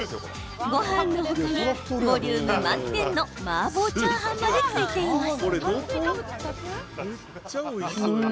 ごはんの他にボリューム満点のマーボーチャーハンまでついています。